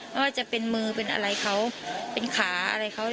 ไม่ว่าจะเป็นมือเป็นอะไรเขาเป็นขาอะไรเขา